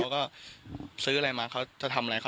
ฟังเสียงลูกจ้างรัฐตรเนธค่ะ